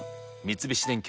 三菱電機